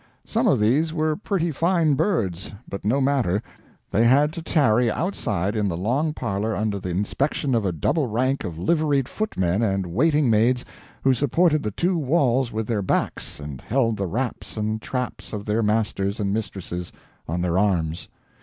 Some of these were pretty fine birds, but no matter, they had to tarry outside in the long parlor under the inspection of a double rank of liveried footmen and waiting maids who supported the two walls with their backs and held the wraps and traps of their masters and mistresses on their arms.